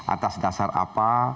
atas dasar apa